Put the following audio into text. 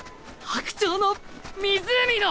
「白鳥の湖」の。